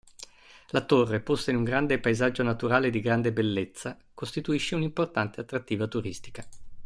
La torre, posta in un paesaggio naturale di grande bellezza, costituisce un'importante attrattiva turistica.